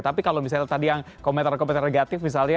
tapi kalau misalnya tadi yang komentar komentar negatif misalnya